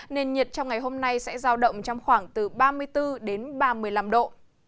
nền nhiệt trong ngày hôm nay sẽ giao động trong khoảng từ ba mươi bốn đến ba mươi năm độ